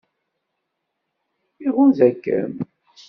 Iɣunza-kem?